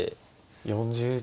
４０秒。